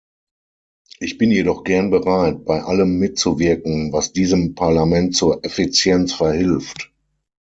Ich bin jedoch gern bereit, bei allem mitzuwirken, was diesem Parlament zur Effizienz verhilft.